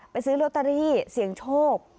ไปซื้อโรตารี่เสียงโชค